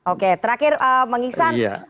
oke terakhir mengiksan